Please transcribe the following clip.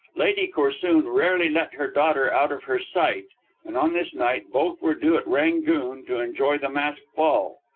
Lady Corsoon rarely let her daughter out of her sight, and on this night both were due at "Rangoon" to enjoy the masked ball.